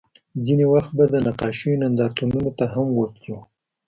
ځینې وخت به د نقاشیو نندارتونونو ته هم ورتلو